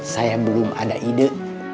saya belum ada ide